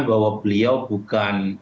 bahwa beliau bukan